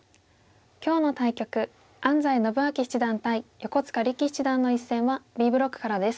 今日の対局安斎伸彰七段対横塚力七段の一戦はＢブロックからです。